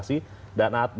departemen olahraga prestasi